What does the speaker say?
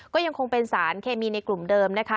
ก็ยังคงเป็นสารเคมีในกลุ่มเดิมนะคะ